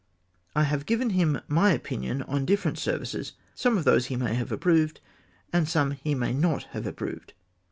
I have given him my opinion on different services; some of those he may have ajjproved, and some he may not leave approved.''